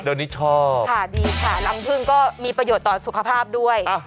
เดี๋ยวนี้ชอบค่ะดีค่ะรังพึ่งก็มีประโยชน์ต่อสุขภาพด้วย